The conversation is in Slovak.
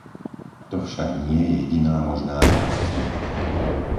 To však nie je jediná možná reakcia.